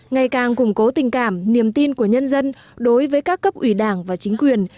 ngày càng củng cố tình cảm niềm tin của nhân dân đối với các cấp ủy đảng và chính quyền